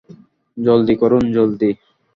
জলদি করুন, জলদি।